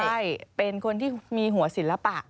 ใช่เป็นคนที่มีหัวสินลับริกา